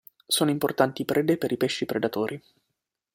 Sono importanti prede per i pesci predatori.